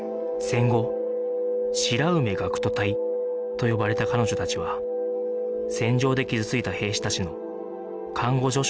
戦後白梅学徒隊と呼ばれた彼女たちは戦場で傷ついた兵士たちの看護助手として働いていました